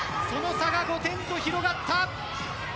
その差が５点と広がった。